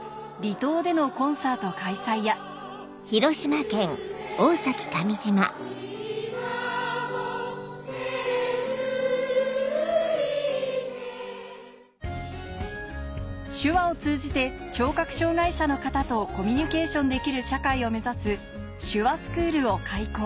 めぐりて手話を通じて聴覚障がい者の方とコミュニケーションできる社会を目指す手話スクールを開講